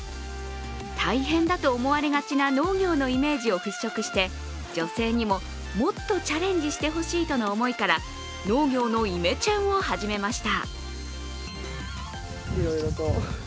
大変だと思われがちな農業のイメージを払拭して女性にももっとチャレンジしてほしいとの思いから農業のイメチェンを始めました。